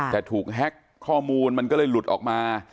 แต่ถูกแฮ็กข้อมูลมันก็เลยหลุดออกมา